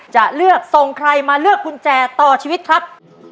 จะเลือกส่งใครมาเลือกกุญแจต่อชีวิตครับ